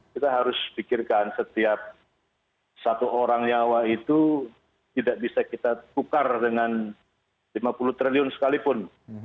kita harus pikirkan setiap satu orang nyawa itu tidak bisa kita tukar dengan lima puluh triliun sekalipun